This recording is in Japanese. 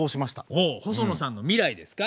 おお細野さんの未来ですか。